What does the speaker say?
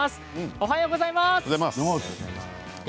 おはようございます。